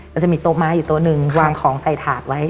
จะมีโต๊ะม้าอยู่โต๊ะหนึ่งวางของใส่ถาดไว้